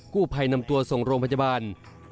กู้ภัยนำตัวส่งโรงพยาบาล